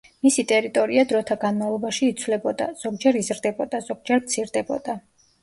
მისი ტერიტორია დროთა განმავლობაში იცვლებოდა, ზოგჯერ იზრდებოდა, ზოგჯერ მცირდებოდა.